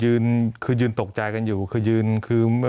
มีความรู้สึกว่ามีความรู้สึกว่า